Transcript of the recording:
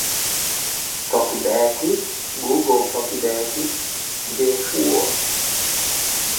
talkback, google talkback, Jieshuo